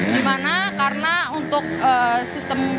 di mana karena untuk sistem